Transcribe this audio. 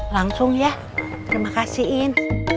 langsung ya terima kasihin